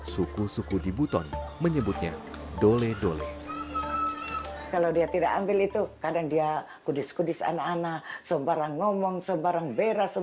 suku suku di buton menyebutnya dole dole